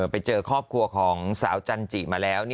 ไปเจอครอบครัวของสาวจันจิมาแล้ว